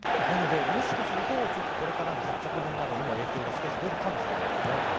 もしかするとこれからの発着便などにも影響が出るかもしれません。